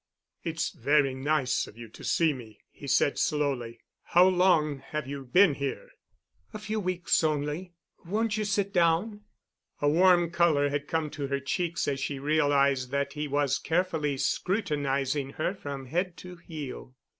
"It's very nice of you to see me," he said slowly. "How long have you been here?" "A few weeks only. Won't you sit down?" A warm color had come to her checks as she realized that he was carefully scrutinizing her from head to heel.